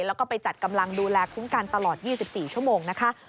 แล้วก็ไปจัดกำลังดูแลคุ้มกันตลอด๒๔ชั่วโมงนะคะ